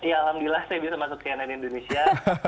ya alhamdulillah saya bisa masuk cnn indonesia